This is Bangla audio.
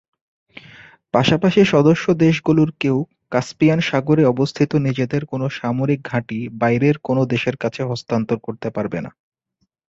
পাশাপাশি সদস্য দেশগুলোর কেউ কাস্পিয়ান সাগরে অবস্থিত নিজেদের কোনো সামরিক ঘাঁটি বাইরের কোনো দেশের কাছে হস্তান্তর করতে পারবে না।